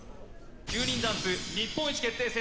９人ダンス日本一決定戦